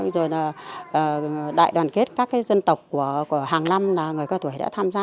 rồi là đại đoàn kết các dân tộc của hàng năm là người cao tuổi đã tham gia